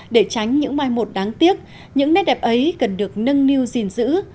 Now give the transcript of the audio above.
để tránh những mai một đáng tiếc những nét đẹp ấy cần được nâng niu gìn giữ